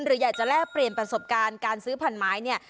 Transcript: หรืออยากจะแลกเปลี่ยนประสบการณ์การซื้อพันไม้เนี่ย